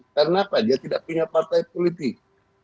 kenapa dia tidak punya partai politik